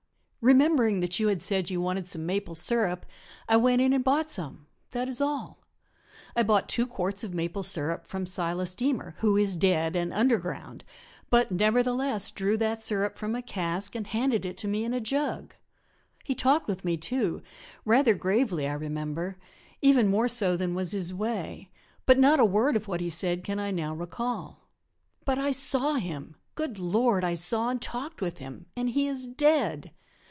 Remembering that you had said you wanted some maple sirup, I went in and bought some that is all I bought two quarts of maple sirup from Silas Deemer, who is dead and underground, but nevertheless drew that sirup from a cask and handed it to me in a jug. He talked with me, too, rather gravely, I remember, even more so than was his way, but not a word of what he said can I now recall. But I saw him good Lord, I saw and talked with him and he is dead!